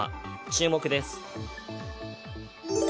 注目です。